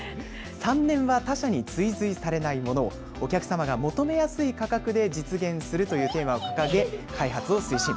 ３年は他社を追随されないものを、お客様が求めやすい価格で実現するというテーマを掲げ、開発を推進。